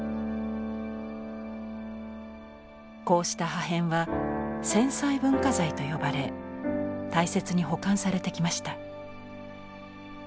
こうした破片は「戦災文化財」と呼ばれ大切に保管されてきました。